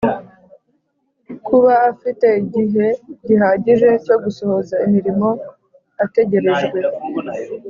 kuba afite igihe gihagije cyo gusohoza imirimo ategerejwe